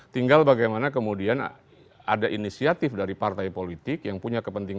tinggal bagaimana kemudian ada inisiatif dari partai politik yang punya kepentingan